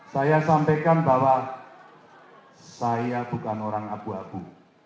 saya sampaikan bahwa saya bukan orang abu abu